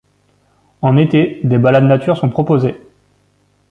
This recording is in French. En été, des balades natures sont proposées.